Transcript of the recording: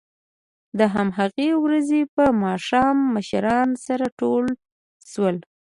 د همهغې ورځې په ماښام مشران سره ټول شول